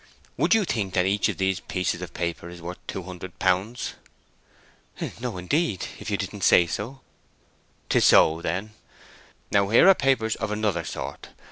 Would you think that each of these pieces of paper is worth two hundred pounds?" "No, indeed, if you didn't say so." "'Tis so, then. Now here are papers of another sort.